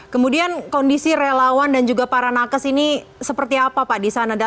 kemudian kondisi relawan dan juga para nakes ini seperti apa pak di sana